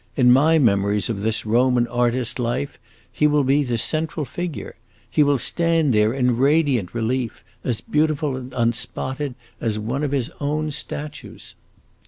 In my memories of this Roman artist life, he will be the central figure. He will stand there in radiant relief, as beautiful and unspotted as one of his own statues!"